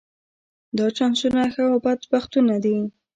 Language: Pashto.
دا چانسونه ښه او بد بختونه دي.